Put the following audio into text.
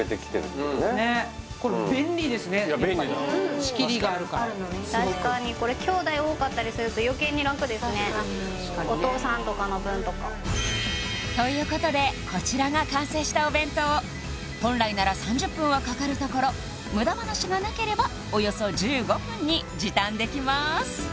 仕切りがあるから確かにこれ確かにお父さんとかの分とかということでこちらが完成したお弁当本来なら３０分はかかるところ無駄話がなければおよそ１５分に時短できます